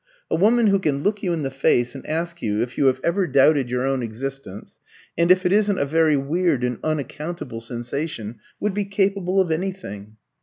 A woman who can look you in the face and ask you if you have ever doubted your own existence, and if it isn't a very weird and unaccountable sensation, would be capable of anything.